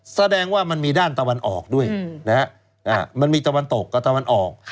แสดงว่ามันมีด้านตะวันออกด้วยนะฮะมันมีตะวันตกกับตะวันออก